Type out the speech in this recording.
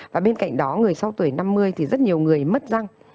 và bên cạnh đó người sau tuổi năm mươi thì rất nhiều người mất răng